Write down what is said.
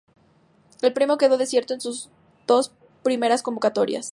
El premio quedó desierto en sus dos primeras convocatorias.